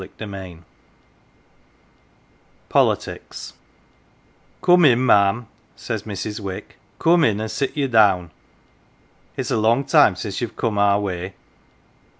101 POLITICS POLITICS " COME in, ma'am," says Mrs. Wick, " come in and sit ye down. It's a long time since you've come our way.